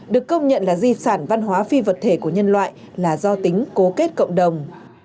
được công nhận là di sản văn hóa phi vật thể của nhân loại là do tính cố kết cộng đồng